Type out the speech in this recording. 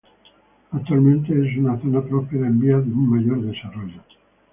Actualmente es una zona próspera en vías de un mayor desarrollo.